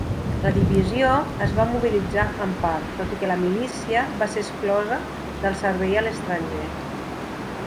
La divisió es va mobilitzar en part, tot i que la milícia va ser exclosa del servei a l'estranger.